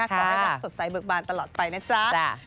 ให้บังสดใสเบือกบานตลอดไปนะจ๊ะ